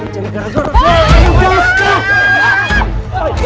tunggu gue mau cari